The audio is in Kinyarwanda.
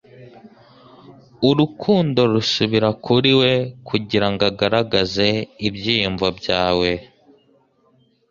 Urukundo rusubiramo kuri we kugirango agaragaze ibyiyumvo byawe